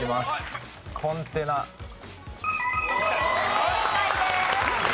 正解です。